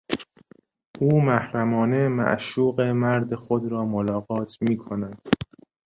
او محرمانه معشوق مرد خود را ملاقات میکند.